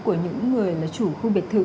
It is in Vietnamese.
của những người là chủ khu biệt thự